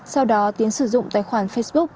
sau đó tiến sử dụng tài khoản facebook